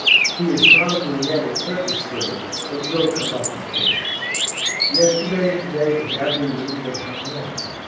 He is probably yet at Fredericksburg, but will come up, I think. Yesterday and to day the badly wounded are coming in.